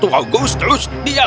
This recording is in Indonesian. tapi augustus tidak membuka mata